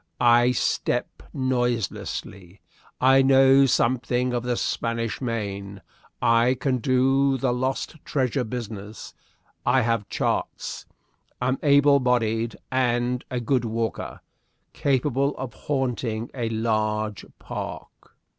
I step noiselessly. I know something of the Spanish Main. I can do the lost treasure business. I have charts. Am able bodied and a good walker. Capable of haunting a large park."